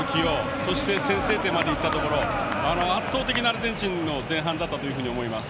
そして先制点までいったところ圧倒的なアルゼンチンの前半だったと思います。